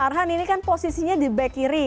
arhan ini kan posisinya di back kiri